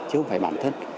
chứ không phải bản thân